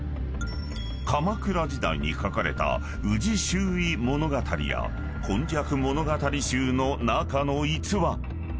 ［鎌倉時代に書かれた『宇治拾遺物語』や『今昔物語集』の中の逸話］